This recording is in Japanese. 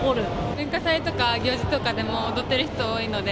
文化祭とか行事とかでも踊ってる人多いので。